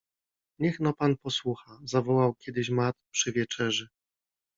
Niech no pan posłucha! - zawołał kiedyś Matt przy wieczerzy.